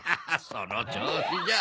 その調子じゃ！